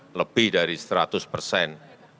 kalau masih kurang lebih dari seratus persen